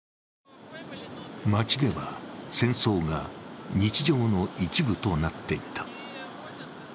街では戦争が日常の一部となっていた。